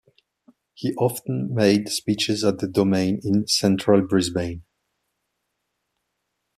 He often made speeches at the Domain in central Brisbane.